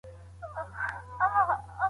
پدیده باید په دقت وڅېړل سي.